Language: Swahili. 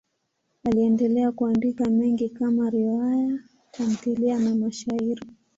Aliendelea kuandika mengi kama riwaya, tamthiliya na mashairi.